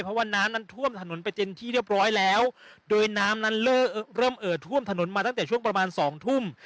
เพราะว่าน้ำนั้นท่วมถนนไปเป็นที่เรียบร้อยแล้วโดยน้ำนั้นเริ่มเอ่อท่วมถนนมาตั้งแต่ช่วงประมาณสองทุ่ม